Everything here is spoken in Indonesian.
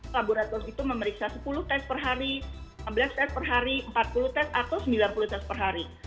laboratorium itu memeriksa sepuluh tes per hari lima belas tes per hari empat puluh tes atau sembilan puluh tes per hari